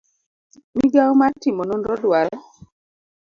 migawo mar timo nonro dwaro